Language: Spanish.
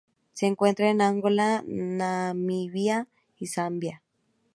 Se encuentra en Angola, Namibia y Zambia.